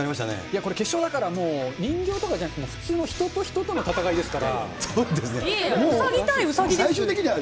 これ、決勝だからもう、人形とかじゃなくて、普通に人と人との戦いですから。